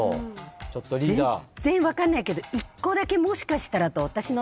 全然分かんないけど１個だけもしかしたらと私の。